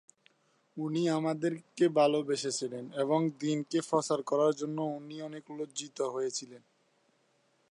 কিন্তু ইংরেজি ভাষার কোনো ‘একাডেমি’ নেই।